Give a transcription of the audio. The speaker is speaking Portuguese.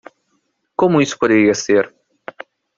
Como isso poderia ser?